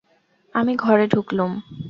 আমি ঘরে ঢুকলুম।